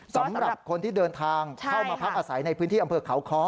สำหรับคนที่เดินทางเข้ามาพักอาศัยในพื้นที่อำเภอเขาค้อ